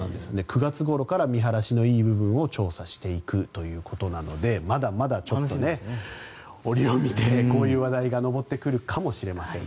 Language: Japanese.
９月ごろから見晴らしのいい部分を調査していくということでまだまだ、折を見てこういう話題が上ってくるかもしれません。